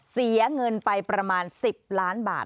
เสียเงินไปประมาณ๑๐ล้านบาท